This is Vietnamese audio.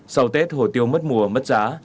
sau tết hổ tiêu mất mùa mất giá